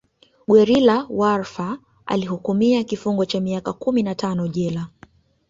Guerrilla warfar Alihukumia kifungo cha miaka kumi na tano jela